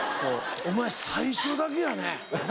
お前最初だけやね。